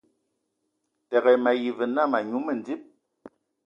Təgə, mayi və nə ma nyu mədim.